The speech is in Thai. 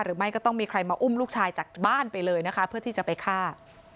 หรือไม่ก็ต้องมีใครมาอุ้มลูกชายจากบ้านไปเลยนะคะเพื่อที่จะไปฆ่า